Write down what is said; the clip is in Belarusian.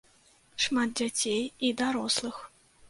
Шмат дзяцей і дарослых.